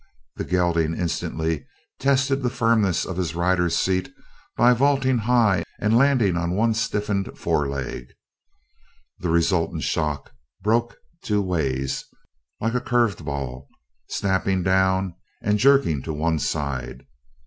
The gelding instantly tested the firmness of his rider's seat by vaulting high and landing on one stiffened foreleg. The resultant shock broke two ways, like a curved ball, snapping down and jerking to one side.